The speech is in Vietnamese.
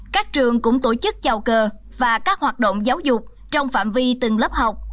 các trường cũng tổ chức chào cờ và các hoạt động giáo dục trong phạm vi từng lớp học